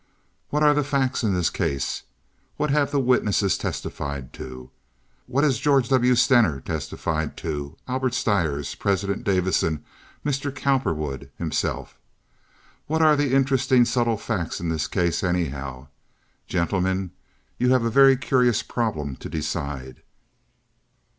What are the facts in this case? What have the witnesses testified to? What has George W. Stener testified to, Albert Stires, President Davison, Mr. Cowperwood himself? What are the interesting, subtle facts in this case, anyhow? Gentlemen, you have a very curious problem to decide."